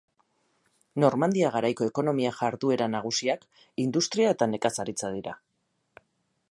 Normandia Garaiko ekonomia jarduera nagusiak industria eta nekazaritza dira.